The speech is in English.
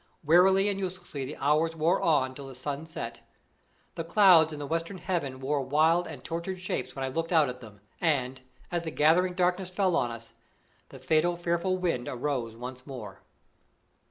Wearily and uselessly the hours wore on till the sun set. The clouds in the western heaven wore wild and tortured shapes when I looked out at them; and, as the gathering darkness fell on us, the fatal fearful wind rose once more.